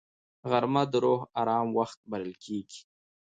غرمه د روح آرام وخت بلل کېږي